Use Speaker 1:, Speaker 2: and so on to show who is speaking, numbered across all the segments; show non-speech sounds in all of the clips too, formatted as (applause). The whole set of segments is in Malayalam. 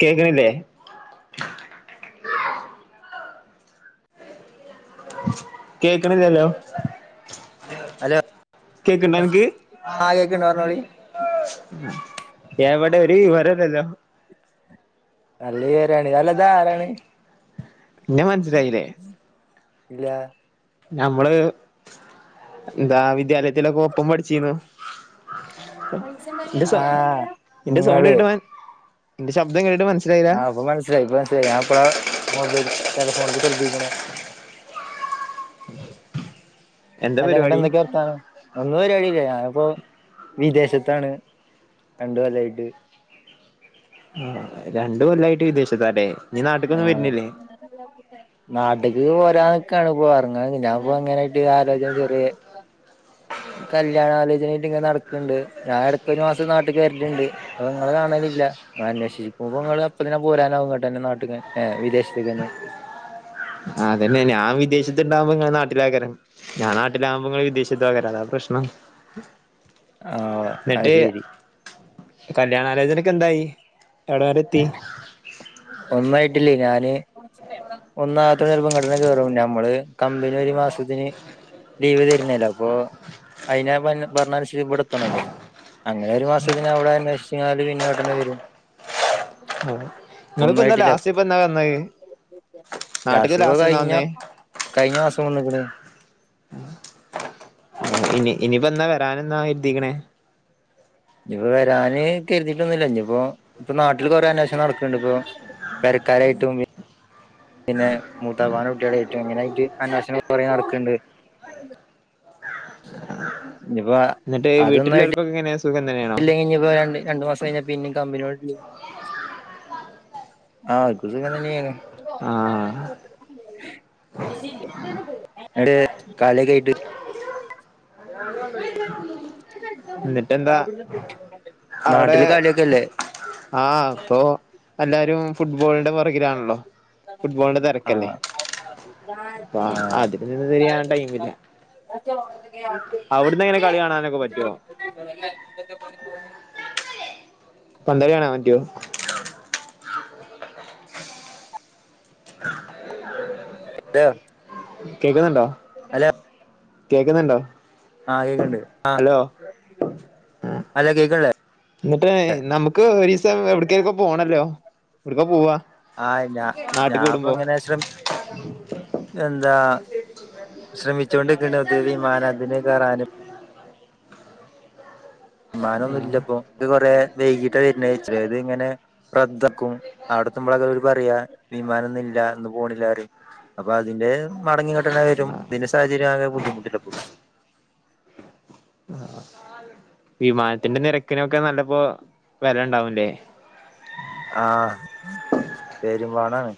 Speaker 1: (inaudible) കേക്കണില്ലേ കേക്കണില്ലല്ലോ
Speaker 2: ഹലോ
Speaker 1: കേക്ക്ണ്ടോ നിന്നക്
Speaker 2: ആ കേക്ക്ണ്ട് പറഞ്ഞോളി
Speaker 1: എവടെ ഒരു വിവരോഇല്ലല്ലോ
Speaker 2: നല്ല പേരാണ് അല്ല ഇതാരാണ്
Speaker 1: എന്നെ മനസ്സിലായിലെ
Speaker 2: ഇല്ല
Speaker 1: ഞമ്മള് എന്താ വിദ്യാലയത്തിലൊക്കെ ഒപ്പം പടിച്ചിന്നു നിന്റെ സൗ
Speaker 2: ആഹ്
Speaker 1: നിന്റെ സൗണ്ട്
Speaker 2: ഇങ്ങള്
Speaker 1: കേട്ടിട്ട് മ നിന്റെ ശബ്ം കേട്ടിട്ട് മനസി
Speaker 2: ആഹ് ഇപ്പൊ മനസ്സിലായി ഇപ്പോ മനസ്സിലായി ഞൻ ഇപ്പളാ മൊബൈൽ ടെലഫോണക്ക്‌ ശ്രദ്ധിക്കണേ
Speaker 1: അ (unintelligible)
Speaker 2: അതെ എന്നട്ട്ന്തൊക്കെ വർത്താനം ഒന്നും പരിപടിയില്ല ഞാനിപ്പോ വിദേശത്താണ് രണ്ട് കൊല്ലായിട്ട്
Speaker 1: ആഹ് രണ്ട് കൊല്ലായിട്ട് വിദേശത്തല്ലേ ഇനീ നാട്ട്ക്കൊന്നും
Speaker 2: ആഹ്
Speaker 1: വരുന്നില്ലേ
Speaker 2: (unintelligible) നാട്ട്ക്ക് പോരാന്നിക്കാണ് ഇപ്പോ എറങ്ങാന് ഞപ്പോ എങ്ങനയിട്ട് ആലോചന ചെറിയ കല്യാണലോചനായിട്ട് ഇങ്ങനെ നടക്കണ്ട് ഞാൻ എടക്ക് ഒരു മാസം നാട്ട്ക്ക് വരല്ണ്ട് അപ്പൊ ഇങ്ങളെ കാണലില്ല അപ്പാ അന്വേഷിക്കുമ്പോ ഇങ്ങള് അപ്പോ തന്നെ പോരാനാവും ഇങ്ങട്ടെന്നേ നാട്ടി ക്ക്‌ ഏഹ് വിദേശത്ത്ക്കന്നെ
Speaker 1: അതന്നെ ഞാൻ വിദേശത്തുണ്ടാമ്പോ ഇങ്ങള് നാട്ടിലേകാരം ഞാൻ നാട്ടിലാമ്പോ ഇങ്ങള് വിദേശ ത്തെക്കാര അതാ പ്രശ്നം
Speaker 2: ആഹ് അത്
Speaker 1: എന്നിട്ട്
Speaker 2: ശരി
Speaker 1: കല്യാണാലോചനക്കെ എന്തായി എവിടെ വരെ എത്തി
Speaker 2: ഒന്നായിട്ടില്ലേ ഞാന് ഒന്നാത്തത് ചെൽപ്പം ഇങ്ങട്ടന്നെ കേറും ഞമ്മള് കമ്പനി ഒരു മാസത്തിന് ലീവ് തരുന്നല്ലപ്പൊ അയിന പന പറഞ്ഞൻഷ് ഇബടെത്തണല്ലോ അങ്ങനെ ഒരു മാസത്തിന് അവിടെ അന്വേഷ്ച്ച്ങ്ങാണ്ട്‌ പിന്നെ ഇങ്ങട്ടന്നേ വരും
Speaker 1: അവിടെ ഇങ്ങള്പ്പോന്നാ ലാസ്റ്റ്പ്പ എന്ന വന്നേ
Speaker 2: ലാഷിപ്പ കഴിഞ്ഞ കഴിഞ്ഞ മാസം വന്ന്ക്ക്ണ്
Speaker 1: ഇനി ഇനിപ്പന്ന വരാനെന്ന എത്തി ക്കണെ
Speaker 2: ഇനിപ്പോ വരാന് കെരുതിട്ടൊന്നില്ല ഇനിയിപ്പോ ഇപ്പൊ നാട്ടില് കൊറേ അന്വേഷണം നടക്ക്ണ്ട്പൊ പെരക്കാരായിട്ട്മുമ്പിൽ പിന്നെ മൂത്താപ്പാന്റെ കുട്ട്യാളായിറ്റും ഇങ്ങനായിറ്റും അന്വേഷണം കുറെ നടക്ക്ണ്ട് ഇനിപ്പാ
Speaker 1: എന്ന്ട്ട് വീട്ടില്ലാർക്കൊക്കെ എങ്ങനെ
Speaker 2: ഇല്ലെ ഇനി പോയാണ്ട് രണ്ട് മാസം കഴിഞ്ഞാ പിന്നേം കമ്പനിയോട് ലി ആ എന്ക്കും സുഖം തന്നേണ്
Speaker 1: ആഹ്
Speaker 2: (unintelligible) എവിടെ കളിക്കെയ്ട്ട്
Speaker 1: എന്താ അവ്ടേ.
Speaker 2: കളിയൊക്കെല്ലേ
Speaker 1: ആഹ് ആപ്പൊ എല്ലാരും ഫുട്ബോളിന്റെ പൊറകിലാണല്ലോ ഫുട്ബോളിന്റെ തിരക്കല്ലേ
Speaker 2: ആഹ്
Speaker 1: വ
Speaker 2: ആഹ്
Speaker 1: അതില് നിന്നിരിയാൻ ടൈമില്ല അവിടുന്ന് എങ്ങനെ കളി കാണാനൊക്കെ പറ്റുവോ
Speaker 2: (unintelligible)
Speaker 1: പന്തളി കാണാൻ പറ്റോ
Speaker 2: (unintelligible)
Speaker 1: കേക്ക്ണ്ണ്ടോ
Speaker 2: ഹലോ
Speaker 1: കേക്ക്ണ്ണ്ടോ?
Speaker 2: ആഹ് കേക്ക്ണ്ട് ആ അലോ കേക്ക്ല്ലേ?
Speaker 1: നീട്ടേ നമുക്ക് ഒരീസം എവിടക്കേൽക്കും പോണല്ലോ എവിടക്ക പോവാ?
Speaker 2: ഐ ഞ
Speaker 1: നാട്ട്ക്ക് വിടുമ്പോ
Speaker 2: ഞാപ്പങ്ങനെ എന്താ? ശ്രെമിച്ചോണ്ട് ഇരിക്കിണ്ട് പക്ഷെ വിമാനത്തിന്റെ (unintelligible) വിമാനൊന്നുല്ലപ്പൊ കൊറെ വൈകീട്ടാ വെര്ണെ ചെല്ത്ങ്ങനെ റദ്ദാക്കും അവിടത്തുമ്പളാതവര് പറയാ വിമാനംന്നില്ല ഇന്ന് പോണില്ലറിയും. അപ്പൊ അതിന്റെ മറഞ്ഞ് കെട്ടലായാലും തിന്റെ സാഹചര്യാകെ ബുദ്ധിമുട്ടിലും
Speaker 1: (inaudible) വിമാനത്തിന്റെ തെരക്കിനൊക്കെ നല്ലപ്പോ വെലണ്ടാവുലേ
Speaker 2: ആഹ്.. (unintelligible)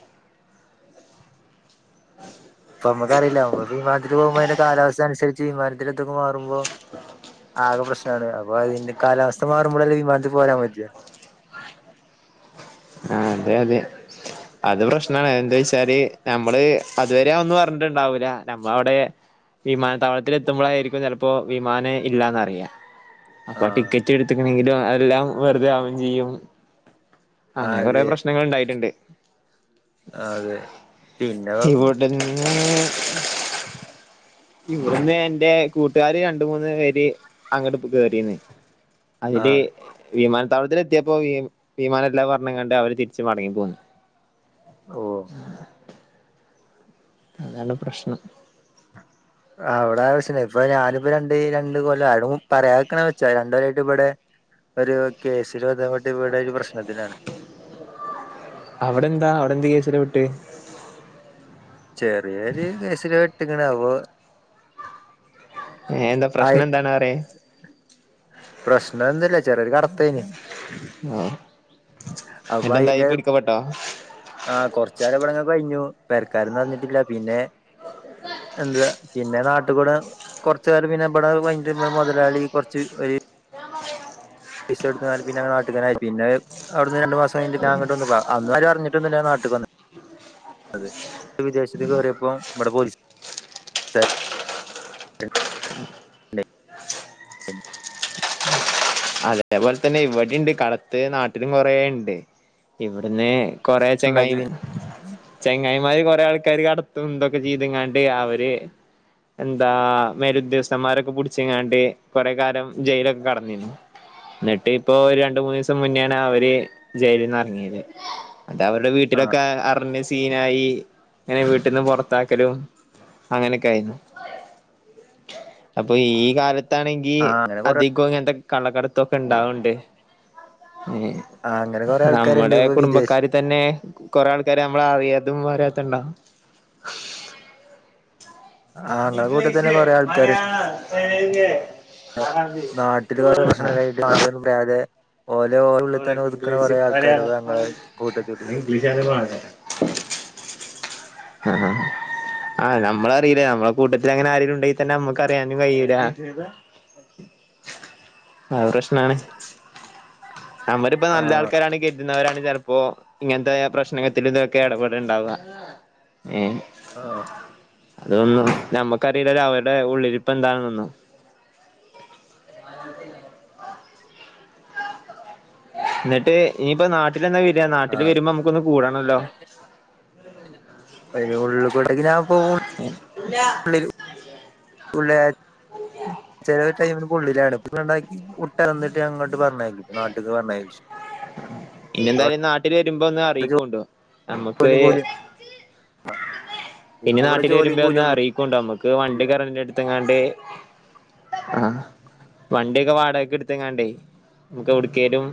Speaker 2: പ്പൊ മക്കറീല മ്മത് വിമാനത്തില് പോകുമ്പോ അയിന്റെ കാലാവസ്ഥൻ സരിച്ച് വിമാനത്തിലെത്തുമ്പോ മാറുമ്പോ ആക പ്രശ്നാണ് അപ്പൊ യിന്റെ കാലാവസ്ഥ മാറുമ്പളെ വിമാനത്തിൽ പോരാൻ പട്ടുള്ളു
Speaker 1: ആഹ് അതെ അതെ അത് പ്രശ്നാണ് എന്തേച്ചാല് നമ്മള് അതുവരെ ഒന്നുറഞ്ഞ്ണ്ടാവൂല നമ്മ വിടെ വിമാനത്താവളത്തിലെത്തുമ്പളാ ഴായിരിക്കും ചെലപ്പോ വിമാന് ഇല്ലാന്നറിയ. അപ്പൊ
Speaker 2: ആഹ്
Speaker 1: ടിക്കറ്റ് എടുത്ത്ക്ക്ണെങ്കിലൊ അഎല്ലാം വെറുതെ ആവും ചെയ്യും. അങ്ങനെ കൊറെ
Speaker 2: അതെ
Speaker 1: പ്രശ്നങ്ങൾ ഇണ്ടായിട്ടുണ്ട്.
Speaker 2: അതെ. പിന്ന
Speaker 1: (inaudible) ഇവിട്ന്റെ കൂട്ടാര് രണ്ട് മൂന്ന് പേര് അങ്ങോട്ട്പൊ കേറീണ് അന്നിട്ട്
Speaker 2: ആഹ്
Speaker 1: വിമാനത്താവളത്തിൽ എത്തിയപ്പോ ഇമ് വിമാനം ഇല്ലപറഞ്ഞിങ്ങാണ്ട് അവര് തിരിച്ച്മടങ്ങി പോന്നു.
Speaker 2: ഓഹ്
Speaker 1: അതാണ് പ്രശ്നം
Speaker 2: അവ്ടാച്ച് ഞാന്പ്പൊ ഈ രണ്ടി രണ്ട് കൊല്ലം ആരും പറയാക്ക വെച്ച രണ്ടേ രായിട്ട്ബടെ ഒരു കേസിൽ ബന്ധപ്പെട്ട് ഇവിടെ ഒരു പ്രശ്നത്തിലാണ്.
Speaker 1: അവിടെന്താ അവിടെ എന്ത് കേസില പെട്ട്?
Speaker 2: ചെറിയൊരു കേസില് പെട്ട്ക്ക്ണ് അപ്പോ.
Speaker 1: ഏ എന്താ പ്രശ്നം എന്താണ് പറയ്.
Speaker 2: പ്രശ്നം ഒന്നും ഇല്ല ചെറിയരു കടത്ത് യെഞ്ഞ്.
Speaker 1: ആ.
Speaker 2: അപ്പോ
Speaker 1: എന്നിട്ടെന്തായി
Speaker 2: അയിനെ
Speaker 1: പിടിക്കപ്പെട്ടോ
Speaker 2: ആഹ കൊച്ച് കാലം ഇവിടെ ഇങ്ങനെ കഴിഞ്ഞു. പെരക്കാര് ഒന്നും അറിഞ്ഞിട്ടില്ല പിന്നെ എന്താ പിന്നെ നാട്ടുകൂടെ കൊറച്കാലം പിന്നെ ഇവിടെ പണിചെയ്യുന്ന മുതലാളി കുറച്ച് ഒരു വിസഎടുത്തു നാട്ടിക്കി അവിട്ന്ന് രണ്ട് മാസം കഴിഞ്ഞിട്ട് ഞാൻ ഇങ്ങട്ട് വന്നു ഇപ്പോ അന്നും ആരും അറിഞ്ഞിട്ട് ഒന്നും ഇല്ല ഞാൻ നാട്ടിൽ ക്ക് വന്നത്. അതെ വിദേശത്ത് കയറിയപ്പോ ഇവിടെ
Speaker 1: അതേപോലെ തന്നെ ഇവിടെണ്ട് കടത്ത് നാട്ടിലും കൊറേ ഉണ്ട് ഇവിടുന്ന് കുറേ
Speaker 2: സ്റ്റേഷൻ ഉണ്ടാക്കി
Speaker 1: ചെങ്ങായും
Speaker 2: പിന്നെ
Speaker 1: ചെങ്ങായിമാര് കോറെ ആൾക്കാര് കടത്തും ഇതൊക്കെ ചെയ്തങ്ങാണ്ട് അവര് എന്താ മേലുദ്യോഗസ്ഥന്മാരൊക്കെ പിടിച്ച്ങ്ങാണ്ട് കോറെ കാലം ജയിലൊക്കെ കടന്നിരുന്നു. എന്നിട്ട് ഇപ്പോ രണ്ട് മൂന്ന് ദിവസം മുന്നെണ് അവര് ജയില്ന്ന് ഇറങ്ങിയത്. അത് അവരുടെ
Speaker 2: ആ
Speaker 1: വീട്ടിലൊക്കെ അറിഞ്ഞ് സീനായി ഇങ്ങനെ വീട്ട്ന്ന് പുറത്താക്കലും അങ്ങനെയൊക്കെ ആയി. അപ്പൊ ഈ കാലത്ത്
Speaker 2: ആ
Speaker 1: തന്നെകിൽ
Speaker 2: അങ്ങനെ കൊറേ
Speaker 1: അധികം ഇങ്ങനത്തെ കള്ളക്കടത്തൊക്കെ ഉണ്ടാവ്ണ്ട്.
Speaker 2: അങ്ങനെ കൊറേ ആൾക്കാരുണ്ട്
Speaker 1: നമ്മുടെ
Speaker 2: ഇപ്പൊ വിദേശ
Speaker 1: കുടുംബക്കാര് തന്നെ കോറെ ആൾക്കാര് നമ്മളെ അറിയാതും (unintelligible)
Speaker 2: ആ ഇങ്ങളെ കൂട്ടത്തിൽ തന്നെ
Speaker 1: ഇംഗ്ലീഷ്,
Speaker 2: കൊറേ ആൾക്കാരുണ്ട്
Speaker 1: മലയാളം, തെലുങ്ക് അറബി
Speaker 2: നാട്ടില് കൊറേ
Speaker 1: (unintelligible)
Speaker 2: (unintelligible) ഓലെ ഉള്ളിൽ
Speaker 1: ഇങ്ങളെ
Speaker 2: തന്നെ ഒതുക്കണ
Speaker 1: ഇംഗ്ലീഷ്
Speaker 2: കൊറേ ആൾക്കാരുണ്ട് ഞങ്ങളെ കൂട്ടത്തില്
Speaker 1: (unintelligible) അഹാ ആഹ് നമ്മളറിയില്ല നമ്മളെ കൂട്ടത്തില് അങ്ങനെ ആരെങ്കിലും ഉണ്ടെങ്കിൽ തന്നെ നമ്മുക്ക് അറിയാനും കഴിയില്ല. ആ പ്രശ്നാണ്. നമ്മള്പ്പാ നല്ല ആൾക്കാര് അണെങ്കി കര് ചിലപ്പോ ഇങ്ങനത്തെ പ്രശ്നത്തില് ഇതൊക്കെ ഇടപെടുണ്ടാവുക.
Speaker 2: ആ
Speaker 1: അതൊന്നും നമ്മക്ക് അറിയില്ലല്ലോ അവരുടെ ഉള്ളില് ഇരുപ്പ് എന്താണന്നെന്നും. എന്നിട്ട് ഇനിയിപ്പോ നാട്ടിൽ എന്ന വെര നാട്ടില് വരുമ്പോ നമുക്കൊന്ന് കൂടാണല്ലോ.
Speaker 2: (unintelligible) (unintelligible) (unintelligible) തിന്നിട്ട അങ്ങോട്ട് പറഞ്ഞയക്കും നാട്ട്ക്ക് പറഞ്ഞയച്ച്.
Speaker 1: ഇനി എന്തായാലും നാട്ടിൽ വരുമ്പോ ഒന്ന് അറിയിക്കോണ്ടു നമുക്ക്
Speaker 2: (unintelligible) ഇപ്പ
Speaker 1: ഇനി
Speaker 2: ഇവിടെ
Speaker 1: നാട്ടിൽ
Speaker 2: ജോലിയും
Speaker 1: വരുമ്പോ ഒന്ന്
Speaker 2: കൂലിയും ഒന്നും
Speaker 1: അറിയിക്കോണ്ടു നമുക്ക് വണ്ടിയൊക അടവിനൊട്ത്ത് ക്കാണ്ട് ആഹ വണ്ടിയൊക്കെ വാടകക്ക് എടുത്ത്ങ്ങണ്ടേ നമുക്ക് എവിടിക്കലും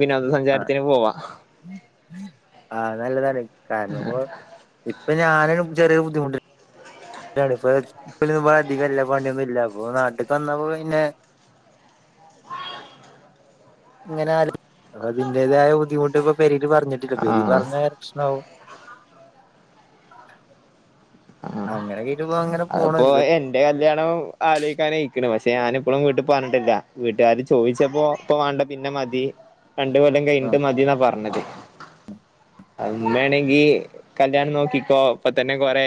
Speaker 1: വിനോദ സഞ്ചാരത്തിന് പോവാ.
Speaker 2: ആ അത് നല്ലതാണ് കാരണം ഇപ്പോ ഇപ്പൊ ഞാനും ചെറിയ ഒരു ബുദ്ധിമുട്ടിലാണ്. (unintelligible) അധികം ഇല്ല പണിയൊന്നും ഇല്ല അപ്പൊ നാട്ടിൽക്ക് വന്നപ്പോ പിന്നെ എങ്ങനെ അയാലും അതിന്റേതായ ബുദ്ധിമുട്ട് ഇപ്പോ പേരെല് പറഞ്ഞിട്ട് പേരി
Speaker 1: ആഹ്
Speaker 2: പറഞ്ഞ പ്രശ്നാവും.
Speaker 1: ആഹ്
Speaker 2: അങ്ങനെയൊക്കെ ആയിട്ട് ഇപ്പോ അങ്ങനെ പോണ്
Speaker 1: അതിപ്പോ എന്റെ കല്യാണം അലോയിക്കാന് അയിക്ക്ണ് പക്ഷെ ഞാൻ ഇപ്പോളും വീട്ടിൽ പറഞ്ഞിട്ടില്ല വീട്ടുകാര് ചോദിച്ചപ്പോ. ഇപ്പോ വേണ്ട പിന്നെ മതി രണ്ടു കൊല്ലം കഴിഞ്ഞിട്ട് മതി എന്നാ പറഞ്ഞത്. ഉമ്മ അണെങ്കി കല്യാണം നോക്കിക്കോ ഇപ്പൊ തന്നെ കോറെ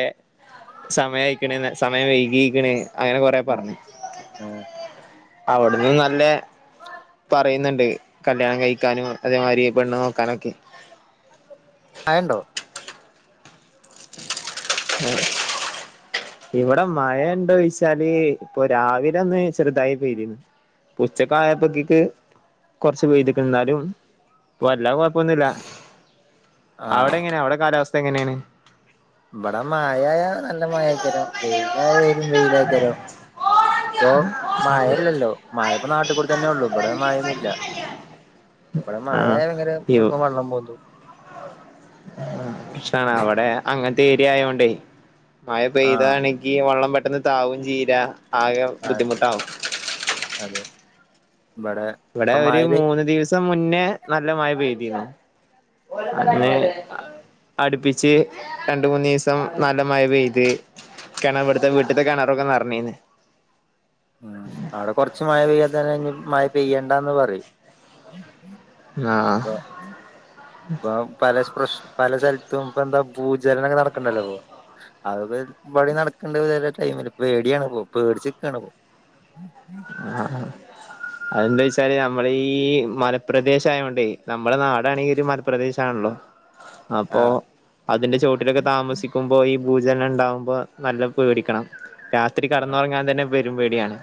Speaker 1: സമയം അയിക്ക്ണ് സമയം വൈകിക്ക്ണ് അങ്ങനെ കൊറെ പറഞ്ഞു. അവിടുന്ന് നല്ല പറയുന്നുണ്ട് കല്യാണം കഴിക്കാനും, അതേമാതിരി പെണ്ണ് നോക്കാനൊക്കെ.
Speaker 2: ആയണ്ടോ
Speaker 1: ഉം ഇവിടെ മഴ ഉണ്ടോ യിച്ചാല് ഇപ്പൊ രാവിലെ ഒന്ന് ചെറുതായി. പെയ്തിയിരുന്നു ഇപ്പ ഉച്ചക്കായ പ്പക്കിട്ട് കൊറച്ചക്കെ പെയ്തിക്കണ് എന്നാലും വല്ലാ കുഴപ്പൊന്നും ബല്ല
Speaker 2: ആ
Speaker 1: അവിടെ എങ്ങനെയാ, അവിടെ കാലാവസ്ഥ എങ്ങനെയാണ്
Speaker 2: ഇവിടെ മായായ നല്ല മായ ആക്കരം വെയിലായ വരും വെയിലായിക്കരോ ഇപ്പ മായല്ലല്ലോ മായപ്പോ നാട്ടും പുറത്ത് തന്നെ ഉള്ളു ഇവിടെ മാഴയൊന്നുമില്ല
Speaker 1: (unintelligible)
Speaker 2: ഇവിടെ മഴയാ
Speaker 1: ആഹ്
Speaker 2: ണെങ്കില് എളുപ്പ വെള്ളം പോന്തും
Speaker 1: പക്ഷേ അവിടെ അങ്ങനത്തെ ഏരിയ ആയോണ്ടേ മഴ പെയ്താ
Speaker 2: ആഹ്
Speaker 1: വെള്ളം പെട്ടെന്ന് ഇതാവം ചെയ്ത ആകെ ബുദ്ധിമുട്ടാവും
Speaker 2: അതെ ഇവിടെ
Speaker 1: ഇവിടെ
Speaker 2: ഇപ്പൊ മഴ
Speaker 1: ഒരു
Speaker 2: പെയ്
Speaker 1: മൂന്ന് ദിവസം മുന്നേ നല്ല മഴ പെയ്തിരുന്നു അന്ന്
Speaker 2: ആഹ്
Speaker 1: അടുപ്പിച്ച് രണ്ട മൂന്നസം നല്ല മഴ പെയ്ത് കിണർ വിടുത്തെ വീട്ടിത്തെ കിണറൊക്കെ നിറഞ്ഞീന്ന്
Speaker 2: ഉം, അവിടെ കൊറച്ച് മഴ പെയ്യാതന്നെ ഇനിയും മഴ പെയ്യണ്ടന്ന് പറയും
Speaker 1: ആഹ
Speaker 2: ഇപ്പ ഇപ്പ പല പ്രശ് പല സ്ഥലത്തും ഇപ്പൊ എന്താ ഭൂചലനമൊക്കെ നടക്കണ്ടല്ലോ ഇപ്പൊ അത് പടിപടി നടക്കണ്ട വല്ല ടൈമില് പേടിയാണ് പേടിച്ച് നിക്കാണ് പോ ഉം ഉം
Speaker 1: ആ അതെന്താ വെച്ചാല് നമ്മള ഈ മലപ്രദേശ ആയോണ്ടേ നമ്മുടെ നാടാണെങ്കിൽ ഒരു മലപ്രദേശ ആണല്ലോ. അപ്പൊ
Speaker 2: ആഹ്
Speaker 1: അതിന്റെ ചോട്ടിലൊക്കെ താമസി ക്കുമ്പോ ഈ ഭൂജനം ഇണ്ടാവുമ്പോ നല്ലോ പേടിക്കണം രാത്രി കേടന്നൊറങ്ങാൻ തന്നെ പെരും പേട്യാണ്.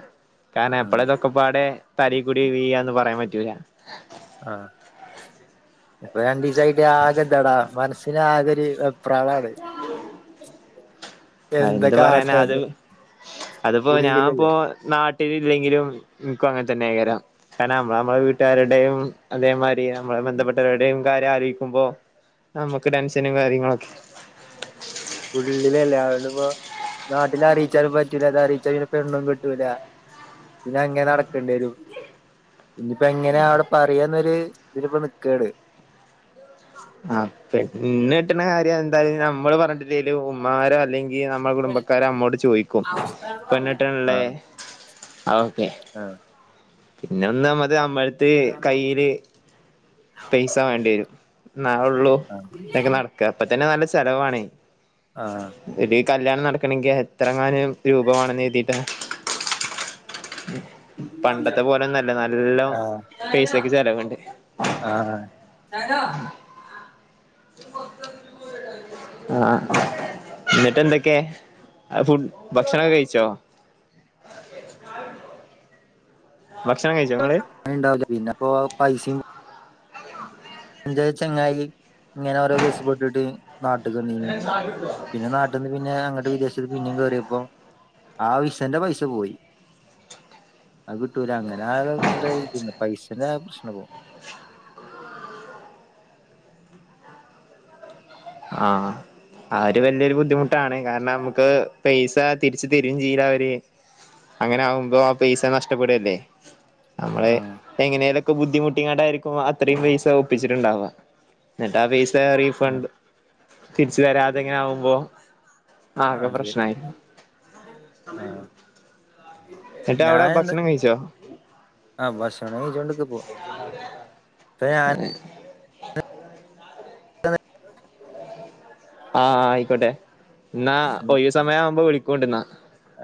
Speaker 1: കാരണം
Speaker 2: ഉം
Speaker 1: എപ്പളാതൊക്കപ്പാടെ തലേക്കൂടി വീഴാന്ന് പറയാൻ പറ്റൂല.
Speaker 2: ആഹ് ഇപ്പം രണ്ടീസായിട്ട് ആകെ ഇതാടാ മനസ്സിനാകൊര് വെ പ്രാളാണ്
Speaker 1: എന്ത് പറയാന അത് അത്പ്പോ ഞാൻ ഇപ്പോ
Speaker 2: ഉള്ളിലല്ലേ
Speaker 1: നാട്ടില് ഇല്ലെങ്കിലും ഇൻക്കും അങ്ങനെതന്നെക്കാരം കാരണം നമ്മള് നമ്മളെ വീട്ടാരുടെയും അതേമാരി നമ്മളെ ബന്ധപ്പെട്ടവരുടെയും കാര്യം ആലോയിക്കുമ്പോ നമുക്ക് ടെൻഷനും കാര്യങ്ങളൊക്കെ
Speaker 2: ഉള്ളിലെല്ലാര്ത്പ്പൊ നാട്ടില് അറീച്ചാലും പറ്റൂല ഇത് അറീച്ചാല് പിന്നെ പെണ്ണും കിട്ടൂല. പിന്നെ അങ്ങനെ നടക്കേണ്ടിരും ഇഞ്ഞ്പ്പോ എങ്ങനെ അവടെ പറയാന്നൊര് ഇതിലിപ്പോ നിക്കാണ്
Speaker 1: ആഹ് പെണ്ണ് കെട്ട്ണ കാര്യം എന്തായാലും നമ്മള് പറഞ്ഞിട്ടില്ലേലും ഉമ്മാരോ അല്ലെങ്കിൽ ന നമ്മളെ കുടുംബക്കാര് നമ്മോട് ചോയിക്കും പെണ്ണേട്ട്ണ്‌ല്ലേ
Speaker 2: ആഹ്
Speaker 1: അതോക്കെ
Speaker 2: ആഹ്
Speaker 1: പിന്നൊന്നാമ്മത് നമ്മളെട്ത്ത് കയ്യില് പൈസ വേണ്ട്യരും ഇന്നാ ഒള്ളൂ ഇതൊക്കെ നടക്ക ഇപ്പത്തന്നെ നല്ല ചെലവാണേ
Speaker 2: ആഹ്
Speaker 1: ഇത് ഈ കല്ല്യാണം നടക്കണങ്കി എത്രങ്ങാനും രൂപമാണെന്ന് കര് ട്ടാ ഉം പണ്ടത്തെ പോലോന്നല്ല നല്ലോ
Speaker 2: ആഹ്
Speaker 1: പൈസക്ക് ചെലവ്ണ്ട്
Speaker 2: ആഹ്
Speaker 1: അ ആഹ് ആഹ് ഇന്ന്ട്ടെന്തേക്കെ ആ ഫുഡ് ഭക്ഷണോക്കെ കഴിച്ചോ ഭക്ഷണം കഴിച്ചോ ഇങ്ങള്
Speaker 2: പണിണ്ടാവൂല പിന്നെപ്പോ പൈസിം ഇന്റെ ചങ്ങായി ഇങ്ങനോരോ കേസ് പെട്ടിട്ട് നാട്ട്ക്ക് വന്നീനി പിന്നെ നാ ട്ട്ന്ന് പിന്നെ അങ്ങട്ട് വിദേശത്ത്ക്ക് പിന്നിം കേറിയപ്പം ആ വിസന്റെ പൈസ പോയി
Speaker 1: (inaudible)
Speaker 2: അത് കിട്ടൂല അങ്ങനെ (unintelligible) ത്ണ്ട് പൈസന്റെ പ്രശ്നാവും
Speaker 1: ആഹ് ആ ഒര് വല്യൊരു ബുദ്ധിമുട്ടാണ് കാരണം നമുക്ക് പൈസാ തിരിച്ച് തരും ചെയ്യൂലവര് അങ്ങനാവുമ്പോ ആ പൈസ നഷ്ടപ്പെടല്ലേ നമ്മള്
Speaker 2: ആഹ്
Speaker 1: എങ്ങനെലൊക്കെ ബുദ്ധിമുട്ടിക്കാണ്ടായിരിക്കും അത്രേയും പൈസ ഒപ്പിച്ചിട്ട്ണ്ടാവ ഇന്നെട്ട് ആ പൈസ് സ
Speaker 2: ആഹ്
Speaker 1: റീഫണ്ട് തിരിച്ച് തരാതെങ്ങനെവുമ്പോ ആകെ
Speaker 2: അതെ
Speaker 1: പ്രശ്‌നായി
Speaker 2: ഞനെന്താ ആഹ് ഭക്ഷണം കഴിച്ചോണ്ട്ക്ക്പ്പോ
Speaker 1: (unintelligible)
Speaker 2: (unintelligible)
Speaker 1: ആഹ് അയിക്കോട്ടെ ഇന്നാ ഒഴിവ് സമയാവുമ്പോ വിളിക്കോണ്ട്ന്നാ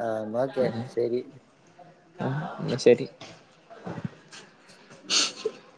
Speaker 2: ആഹ് ഇന്നാ ഒക്കെ ശരി
Speaker 1: ആഹ് ഇന്നാ ശരി